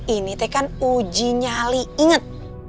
ini teh kan uji nyali inget